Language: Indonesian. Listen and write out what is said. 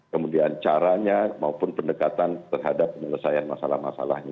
kemudian caranya maupun pendekatan terhadap penyelesaian masalah masalahnya